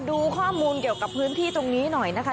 ดูข้อมูลเกี่ยวกับพื้นที่ตรงนี้หน่อยนะคะ